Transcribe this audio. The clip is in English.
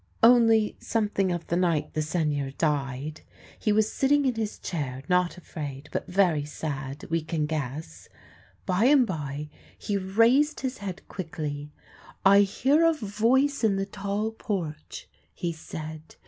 " Only something of the night the Seigneur died. He was sitting in his chair, not afraid, but very sad, we can guess. By and by he raised his head quickly. ' I hear a voice in the Tall Porch,' he said.